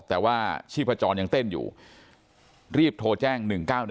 แต่ว่าชีพจรยังเต้นอยู่รีบโทรแจ้ง๑๙๑